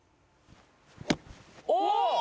お！